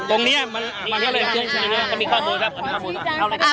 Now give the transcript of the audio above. อันนี้มัน